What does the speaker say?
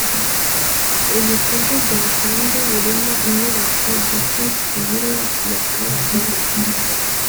Ibikorwa byatanzwe birimo inyubako Deutche Welle yakoreragamo